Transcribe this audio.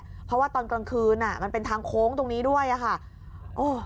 เพราะว่าตอนกลางคืนอ่ะมันเป็นทางโค้งตรงนี้ด้วยอ่ะค่ะโอ้